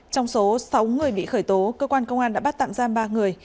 trong số sáu người bị khởi tố cơ quan công an đã bắt tạm giam ba người